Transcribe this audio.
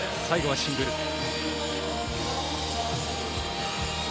最後はシングル。